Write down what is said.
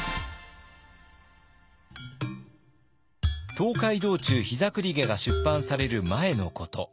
「東海道中膝栗毛」が出版される前のこと。